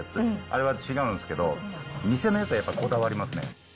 あれは違うんですけど、店のやつはやっぱこだわりますね。